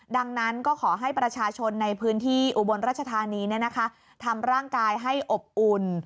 ดังนั้นก็ขอให้ประชาชนในพื้นที่อุบลราชธานีทำร่างกายให้อบอุ่น